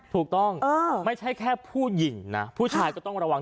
ถูกต้องไม่ใช่แค่ผู้หญิงนะผู้ชายก็ต้องระวัง